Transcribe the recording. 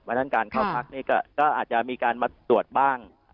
เพราะฉะนั้นการเข้าพักนี่ก็อาจจะมีการมาตรวจบ้าง